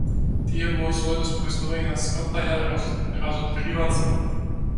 Тие во своето спротивставување на смртта ја разоткриваат смртта.